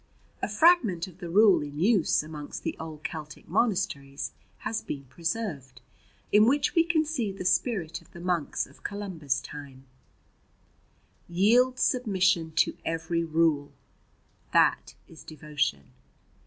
A fragment of the rule in use amongst the old Celtic monasteries has been preserved, in which we can see the spirit of the monks of Columba's time: "Yield submission to every rule that is devotion.